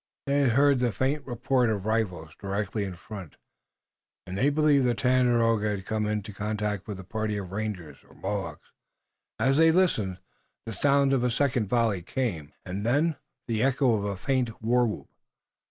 They had heard the faint report of rifles directly in front, and they believed that Tandakora had come into contact with a party of rangers or Mohawks. As they listened, the sound of a second volley came, and then the echo of a faint war whoop.